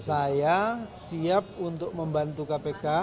saya siap untuk membantu kpk